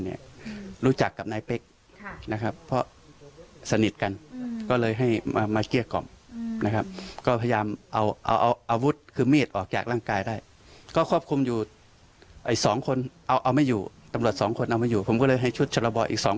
หนูก็ไม่กล้าเนอะค่ะลูกหนูก็สามคน